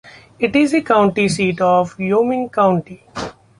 It is the county seat of Wyoming County.